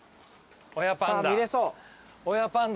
親パンダ。